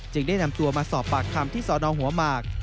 ได้นำตัวมาสอบปากคำที่สนหัวหมาก